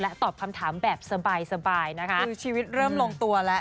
ตอบคำถามแบบสบายนะคะคือชีวิตเริ่มลงตัวแล้ว